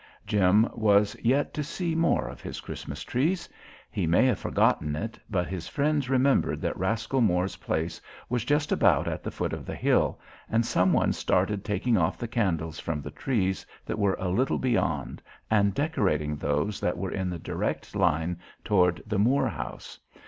Jim was yet to see more of his Christmas trees. He may have forgotten it, but his friends remembered that Rascal Moore's place was just about at the foot of the hill and some one started taking off the candles from the trees that were a little beyond and decorating those that were in the direct line toward the Moore house.